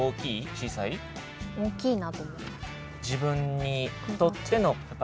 小さい？大きいなと思います。